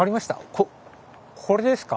ここれですか？